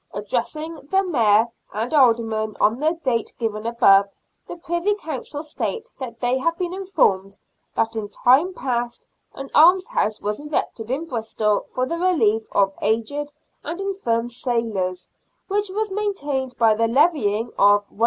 Addressing the Mayor and Aldermen on the date given above, the Privy Council state that they have been informed that in time past an almshouse was erected in Bristol for the relief of aged and infirm sailors, which was maintained by the levying of i|d.